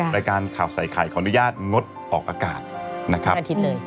รายการข่าวใส่ไข่ขออนุญาตงดออกอากาศนะครับอาทิตย์เลย